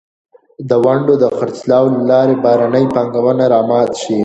د ونډو د خرڅلاو له لارې بهرنۍ پانګونه را مات شي.